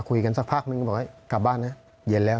ก็คุยกันสักพักหนึ่งก็บอกว่าเฮ้ยกลับบ้านนะเย็นแล้ว